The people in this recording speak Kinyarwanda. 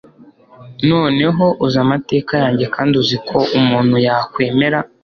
noneho uzi amateka yanjye kandi uzi ko umuntu yakwemera